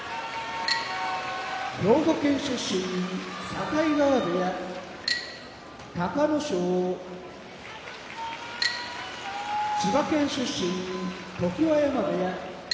兵庫県出身境川部屋隆の勝千葉県出身常盤山部屋